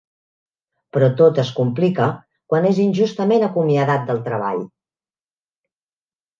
Però tot es complica quan és injustament acomiadat del treball.